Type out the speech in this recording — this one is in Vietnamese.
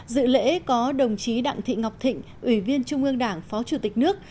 dự lễ có đồng chí đặng thị ngọc thịnh ủy viên trung ương đảng phó chủ tịch nước